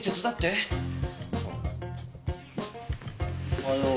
おはよう。